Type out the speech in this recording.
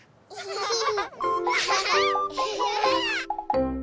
ウフフフ。